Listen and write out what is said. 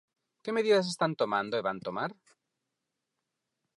¿Que medidas están tomando e van tomar?